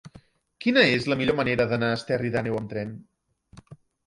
Quina és la millor manera d'anar a Esterri d'Àneu amb tren?